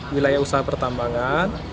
wilayah usaha pertambangan